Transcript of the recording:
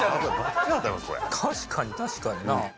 これ確かに確かになあ